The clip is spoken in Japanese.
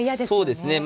そうですね。